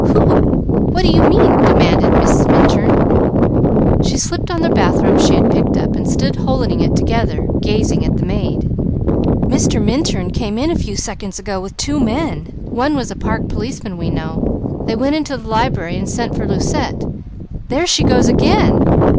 "Who? What do you mean?" demanded Mrs. Minturn. She slipped on the bathrobe she had picked up, and stood holding it together, gazing at the maid. "Mr. Minturn came with two men. One was a park policeman we know. They went into the library and sent for Lucette. There she goes again!"